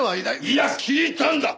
いや聞いたんだ！